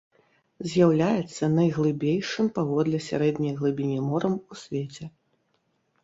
З'яўляецца найглыбейшым паводле сярэдняй глыбіні морам у свеце.